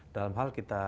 dalam hal kita